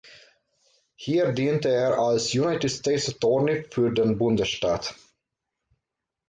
Hier diente er als United States Attorney für den Bundesstaat.